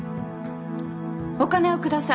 お金をください。